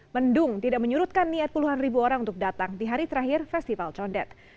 mendung tidak menyurutkan niat puluhan ribu orang untuk datang di hari terakhir festival condet